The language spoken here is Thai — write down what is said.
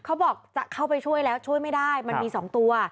เขาบอกจะเข้าไปช่วยแล้วช่วยไม่ได้มันมี๒ตัว